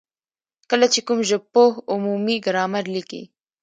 کله چي کوم ژبپوه عمومي ګرامر ليکي،